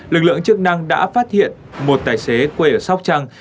lực lượng chức năng đã phát hiện một tài xế quê ở sóc trăng